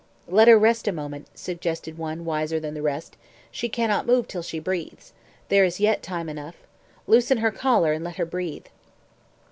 "Let her rest a moment," suggested one wiser than the rest. "She cannot move till she breathes. There is yet time enough. Loosen her collar, and let her breathe."